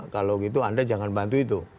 kalau gitu anda jangan bantu itu